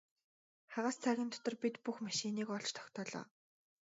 Хагас цагийн дотор бид бүх машиныг олж тогтоолоо.